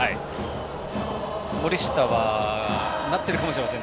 森下はなっているかもしれません。